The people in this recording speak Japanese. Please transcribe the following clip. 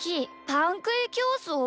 パンくいきょうそう」？